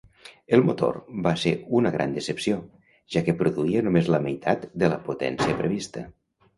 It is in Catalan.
El motor va ser una gran decepció, ja que produïa només la meitat de la potència prevista.